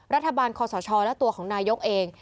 รัฐบาลคอสชและตัวของนายกเอง